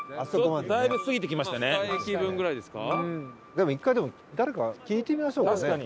でも一回誰か聞いてみましょうかね。